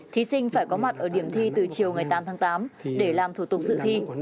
thí sinh phải có mặt ở điểm thi từ chiều ngày tám tháng tám để làm thủ tục dự thi